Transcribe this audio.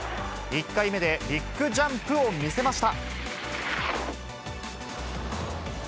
１回目でビッグジャンプを見せました。